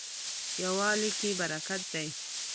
یووالي کې برکت دی